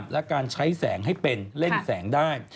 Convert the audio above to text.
และการใช้แสงให้เป็นเล่นแสงได้